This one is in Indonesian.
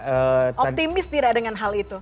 optimis tidak dengan hal itu